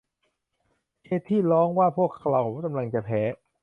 เคธี่ร้องว่าพวกเขากำลังจะแพ้